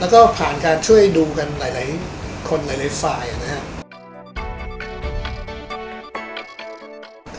แล้วก็ผ่านการช่วยดูกันหลายคนหลายฝ่ายนะครับ